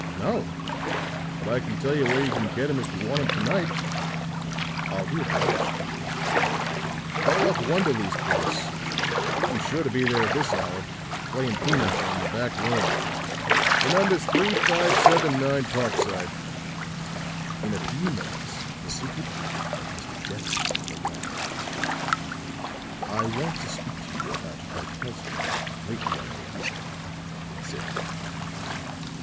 "No. But I can tell you where you can get him if you want him to night." "I'll be obliged to you." "Call up Wonderleigh's place; he's sure to be there at this hour, playing pinochle in the back room. The number's 35 79 Parkside." In a few moments the secret agent had Mr. Jackson on the wire. "I want to speak to you about Karkowsky, lately on your route," said he.